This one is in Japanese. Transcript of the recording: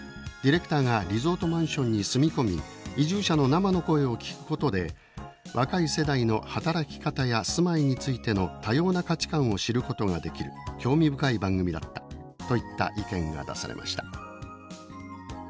ディレクターがリゾートマンションに住み込み移住者の生の声を聞くことで若い世代の働き方や住まいについての多様な価値観を知ることができる興味深い番組だった」といった意見が出されました。